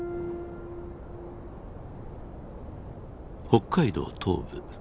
北海道東部